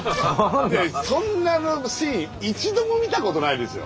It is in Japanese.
そんなシーン一度も見たことないですよ。